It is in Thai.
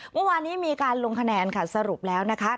เมื่อวานนี้มีการลงคะแนนค่ะสรุปแล้วนะคะ